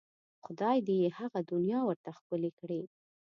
خدای دې یې هغه دنیا ورته ښکلې کړي.